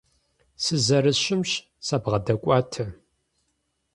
Сызэрыщымщ, сабгъэдокӀуатэ.